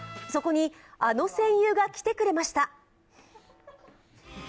そこに、あの戦友が来てくれました